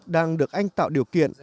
đang được anh tạo điều kiện